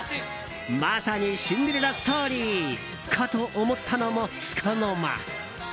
まさにシンデレラストーリーかと思ったのもつかの間。